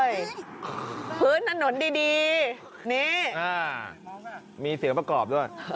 โอ้ยยยยยฮื้นหนนดีนี่มีเสียงปะกรอบด้วย